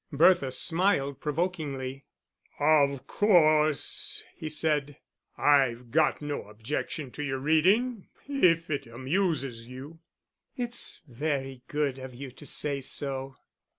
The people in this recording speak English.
Bertha smiled provokingly. "Of course," he said, "I've got no objection to your reading if it amuses you." "It's very good of you to say so."